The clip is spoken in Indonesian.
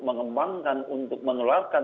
mengembangkan untuk mengeluarkan